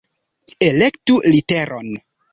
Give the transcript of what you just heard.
Elektu literon!